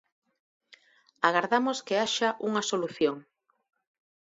Agardamos que haxa unha solución.